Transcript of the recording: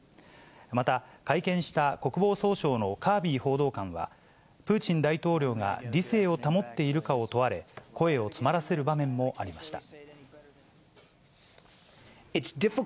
また会見した、国防総省のカービー報道官は、プーチン大統領が理性を保っているかを問われ、声を詰まらせる場面もありました。